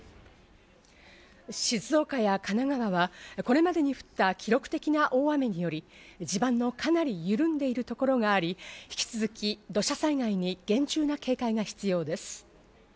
静岡や神奈川はこれまでに降った記録的な大雨により地盤のかなり緩んでいるところがあり、引き続き土砂災害に厳重な警戒が必要です。